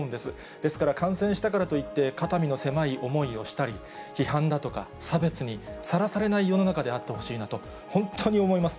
ですから、感染したからといって肩身の狭い思いをしたり、批判だとか、差別にさらされない世の中であってほしいなと、本当に思います。